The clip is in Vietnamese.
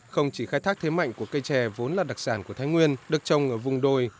không chỉ khai thác thế mạnh của cây chè vốn là đặc sản của thái nguyên được trồng ở vùng đồi